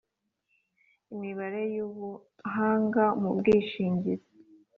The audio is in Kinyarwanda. imibare y ubuhanga mu bwishingizi